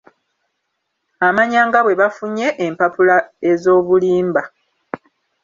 Amanya nga bwe bafunye empapula ez'obulimba.